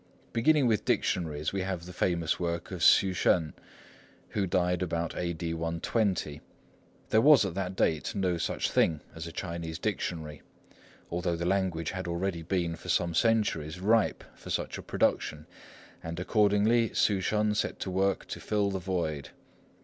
Beginning with dictionaries, we have the famous work of Hsü Shên, who died about A.D. 120. There was at that date no such thing as a Chinese dictionary, although the language had already been for some centuries ripe for such a production, and accordingly Hsü Shên set to work to fill the void.